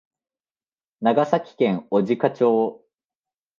長崎県小値賀町